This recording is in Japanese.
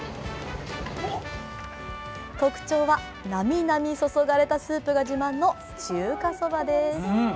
特徴は、並々注がれたスープが自慢の中華そばです。